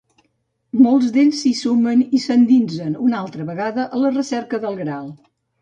Molts d'ells s'hi sumen i s'endinsen una altra vegada a la recerca del Graal.